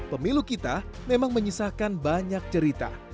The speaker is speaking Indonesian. pemilu kita memang menyisahkan banyak cerita